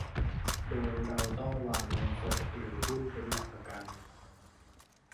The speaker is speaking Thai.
โดยเราต้องวางเงินสดหรือหุ้นเป็นหลักประกัน